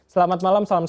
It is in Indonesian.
selamat malam selamat malam